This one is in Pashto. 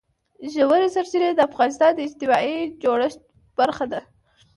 ژورې سرچینې د افغانستان د اجتماعي جوړښت برخه ده.